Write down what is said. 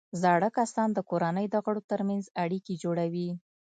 زاړه کسان د کورنۍ د غړو ترمنځ اړیکې جوړوي